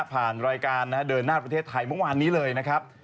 ผ่านรายการเดินหน้าประเทศไทยเมื่อวานนี้เลยนะครับ